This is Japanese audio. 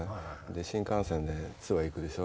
で新幹線でツアー行くでしょ。